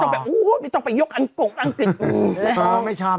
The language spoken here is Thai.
เออไม่ต้องไปยกอังกฤษอังกฤษไม่ชอบนะครับ